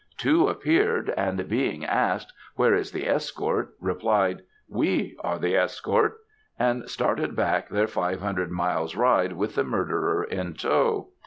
Two appeared, and being asked, "Where is the escort?" replied, "We are the escort," and started back their five hundred miles ride with the murderer in tow.